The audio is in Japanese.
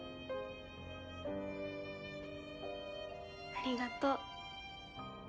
ありがとう。